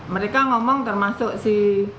mereka ngomong termasuk si